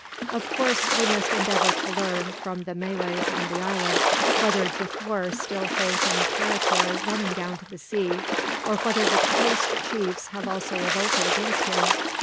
"Of course we must endeavour to learn, from the Malays on the island, whether Johore still holds any territory running down to the sea, or whether the coast chiefs have also revolted against him.